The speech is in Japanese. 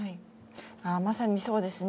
まさにそうですね。